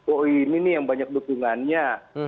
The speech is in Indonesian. oh ini nih yang banyak dukungannya